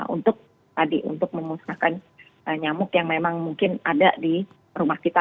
untuk tadi untuk memusnahkan nyamuk yang memang mungkin ada di rumah kita